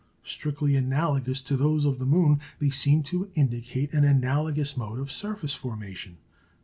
Strictly analogous to those of the moon, they seem to indicate an analogous mode of surface formation.